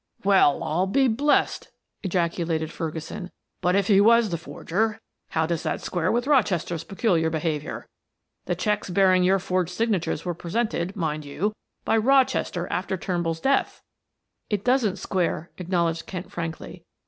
"Well, I'll be blessed!" ejaculated Ferguson. "But if he was the forger how does that square with Rochester's peculiar behavior? The checks bearing your forged signatures were presented, mind you, by Rochester after Turnbull's death?" "It doesn't square," acknowledged Kent frankly.